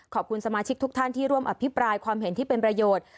ขอบคุณสมาชิกทุกท่านที่ร่วมอภิปรายความเห็นที่เป็นประโยชน์